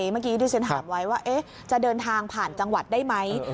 เมื่อกี้ที่ฉันถามไว้ว่าจะเดินทางผ่านจังหวัดได้ไหม